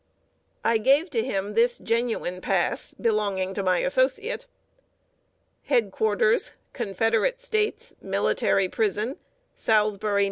I gave to him this genuine pass belonging to my associate: HEAD QUARTERS CONFEDERATE STATES MILITARY PRISON, } SALISBURY, N.